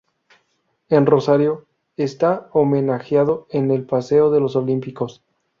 En Rosario, está homenajeado en el "Paseo de los Olímpicos".